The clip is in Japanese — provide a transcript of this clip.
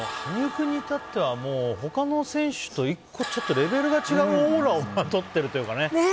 羽生君に至っては他の選手と１個ちょっとレベルが違うオーラをまとっているというかね。